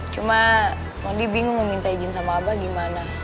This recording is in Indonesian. cuma mandi bingung mau minta izin sama abah gimana